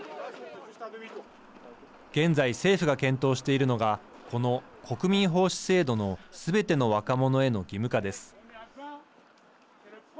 現在、政府が検討しているのがこの国民奉仕制度のすべての若者への義務化です。